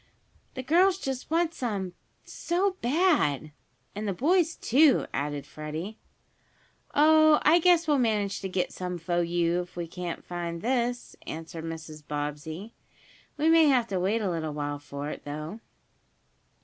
"The girls just want some so bad!" "And the boys, too," added Freddie. "Oh, I guess we'll manage to get some fo you, if we can't find this," answered Mrs. Bobbsey. "We may have to wait a little while for it, though."